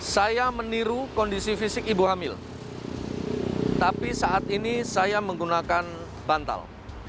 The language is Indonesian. saya meniru kondisi fisik ibu hamil tapi saat ini saya menggunakan bantal